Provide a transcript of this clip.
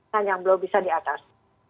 tan yang belum bisa di atas